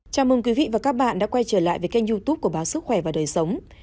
chào mừng quý vị và các bạn đã quay trở lại với kênh youtube của báo sức khỏe và đời sống